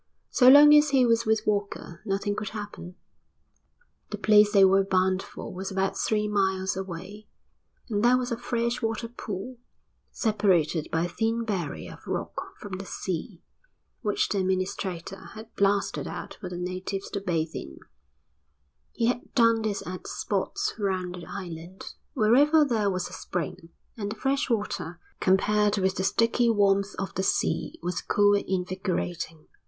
So long as he was with Walker nothing could happen. The place they were bound for was about three miles away, and there was a fresh water pool, separated by a thin barrier of rock from the sea, which the administrator had blasted out for the natives to bathe in. He had done this at spots round the island, wherever there was a spring; and the fresh water, compared with the sticky warmth of the sea, was cool and invigorating.